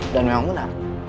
dan memang benar